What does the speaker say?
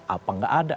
apa gak ada